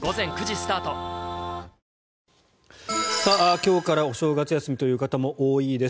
今日からお正月休みという方も多いです。